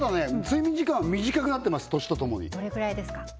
睡眠時間短くなってます年とともにどれぐらいですか？